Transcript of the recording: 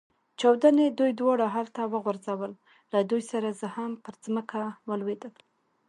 چاودنې دوی دواړه هلته وغورځول، له دوی سره زه هم پر مځکه ولوېدم.